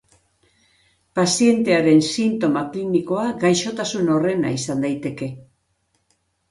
Pazientearen sintoma klinikoa gaixotasun horrena izan daiteke.